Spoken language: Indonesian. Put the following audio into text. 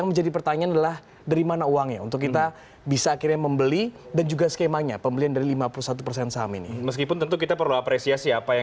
kementerian keuangan telah melakukan upaya upaya